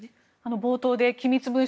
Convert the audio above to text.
冒頭で機密文書